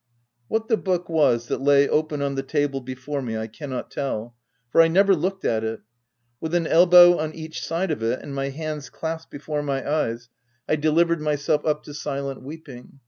What the book was, that lay open on the table before me, I cannot tell, for I never looked at it. With an elbow on each side of it, and my hands clasped before my eyes, I de OF W1LDFELL HALL. 187 livered myself up to silent weeping.